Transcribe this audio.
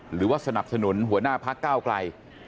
หรือว่าสนับสนุนหัวหน้าพักก้าวไกล